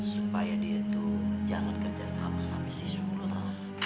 supaya dia tuh jangan kerja sama abis si sulang